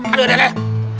aduh dah lah